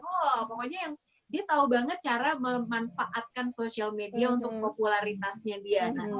pokoknya dia tau banget cara memanfaatkan social media untuk popularitasnya dia